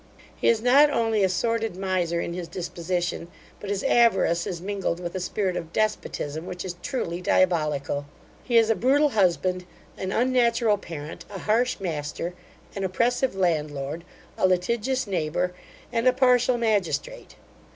He is not only a sordid miser in his disposition, but his avarice is mingled with a spirit of despotism, which is truly diabolical. He is a brutal husband, an unnatural parent, a harsh master, an oppressive landlord, a litigious neighbour, and a partial magistrate.